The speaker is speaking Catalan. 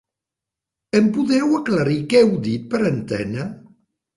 Em podeu aclarir què heu dit per antena?